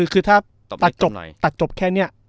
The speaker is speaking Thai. คือถ้าตัดจบแค่เนี่ย